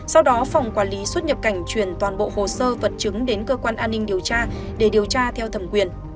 sau đó phòng quản lý xuất nhập cảnh chuyển toàn bộ hồ sơ vật chứng đến cơ quan an ninh điều tra để điều tra theo thẩm quyền